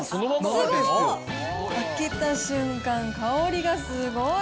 すごい。開けた瞬間、香りがすごい。